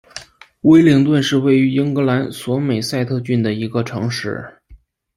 威灵顿是位于英格兰索美塞特郡的一个城市。